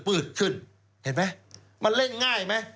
เห็นไหมมันเล่นง่ายไหม